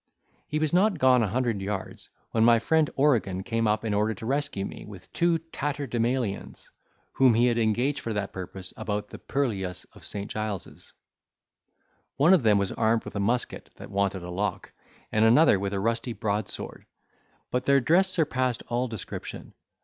He was not gone a hundred yards, when my friend Oregan came up in order to rescue me, with two tatterdemalions, whom he had engaged for that purpose about the purlieus of St. Giles's. One of them was armed with a musket that wanted a lock, and another with a rusty broadsword, but their dress surpassed all description.